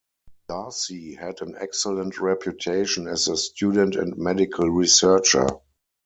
Darsee had an excellent reputation as a student and medical researcher.